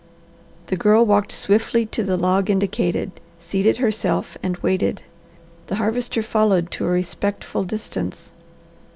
The girl walked swiftly to the log indicated, seated herself, and waited. The Harvester followed to a respectful distance.